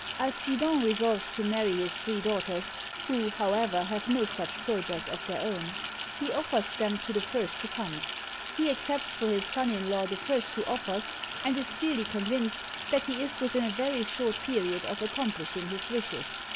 Alcidon resolves to marry his three daughters, who, however, have no such project of their own. He offers them to the first who comes. He accepts for his son in law the first who offers, and is clearly convinced that he is within a very short period of accomplishing his wishes.